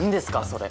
それ。